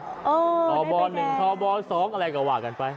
อ๋อได้ใบแดงต่อบอล๑ต่อบอล๒อะไรกว่ากันไป